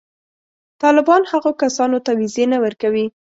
طالبان هغو کسانو ته وېزې نه ورکوي.